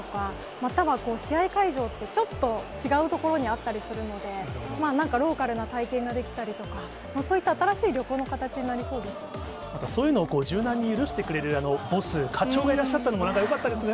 または、試合会場って、ちょっと違う所にあったりするので、なんかローカルな体験ができたりとか、そういった新しい旅行の形またそういうのを柔軟に許してくれるボス、課長がいらっしゃったのも、なんかよかったですね。